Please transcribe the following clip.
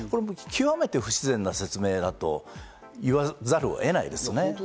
極めて不自然な説明だと言わざるを得ないですね。